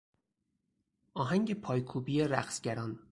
آهنگ پایکوبی رقصگران